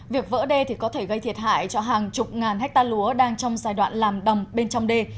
việc vỡ đê có thể gây thiệt hại cho hàng chục ngàn hectare lúa đang trong giai đoạn làm đồng bên trong đê